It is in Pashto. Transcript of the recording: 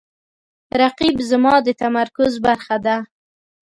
رقیب زما د تمرکز برخه ده